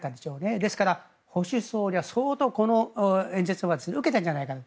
ですから保守層には相当、この演説は受けたんじゃないかと。